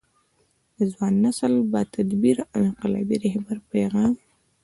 د ځوان نسل با تدبیره او انقلابي رهبر پیغام